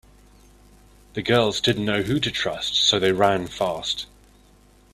The girls didn’t know who to trust so they ran fast.